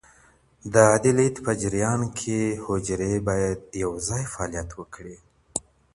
د عادي لید په جریان کې حجرې باید یوځای فعالیت وکړي.